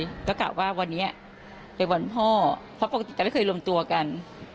แล้วก็กะว่าวันนี้เป็นวันพ่อเพราะปกติจะไม่เคยรวมตัวกัน